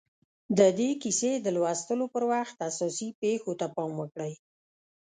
د دې کيسې د لوستلو پر وخت اساسي پېښو ته پام وکړئ.